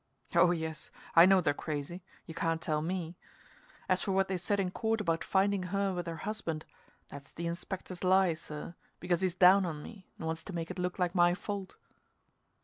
Oh yes, I know they're crazy you can't tell me. As for what they said in court about finding her with her husband, that's the Inspector's lie, sir, because he's down on me, and wants to make it look like my fault.